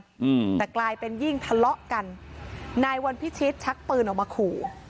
อืมแต่กลายเป็นยิ่งทะเลาะกันนายวันพิชิตชักปืนออกมาขู่